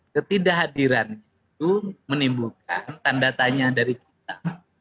ketidakhadiran itu menimbulkan tanda tanya dari kita